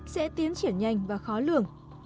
sẽ tiến triển nhanh và khó lường